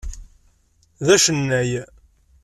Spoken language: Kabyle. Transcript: D acennay.